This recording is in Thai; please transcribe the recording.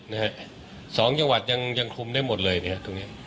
นะฮะสองจังหวัดยังยังคลุมได้หมดเลยเนี่ยตรงเนี้ย